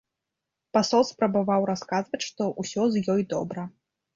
Пасол спрабаваў расказваць, што ўсё з ёй добра.